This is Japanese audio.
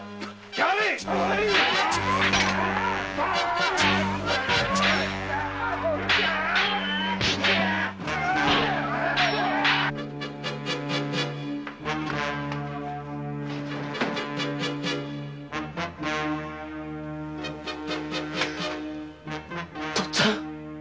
やれッ！とっつぁん！